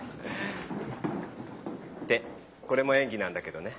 ってこれも演技なんだけどね。